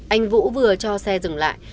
anh vũ vừa cho xe dừng lại